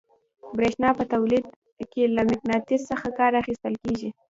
برېښنا په تولید کې له مقناطیس څخه کار اخیستل کیږي.